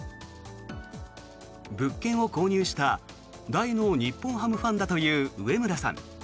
物件を購入した大の日本ハムファンだという上村さん。